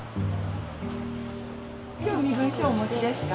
今日身分証お持ちですか？